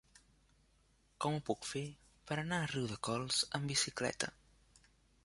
Com ho puc fer per anar a Riudecols amb bicicleta?